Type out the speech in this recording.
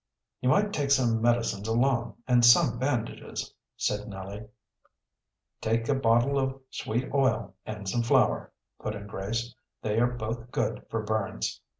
"You might take some medicines along, and some bandages," said Nellie. "Take a bottle of sweet oil and some flour," put in Grace. "They are both good for burns."